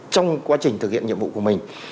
trong quá trình thực hiện nhiệm vụ của mình